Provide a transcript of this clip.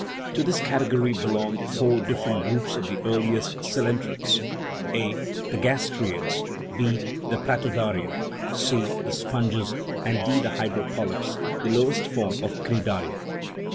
To this category belong four different groups of the earliest coelen terates: (a) the gastrseads, (6) the platodaria, (c) the sponges, and (d) the hydropolyps, the lowest form of cnidaria.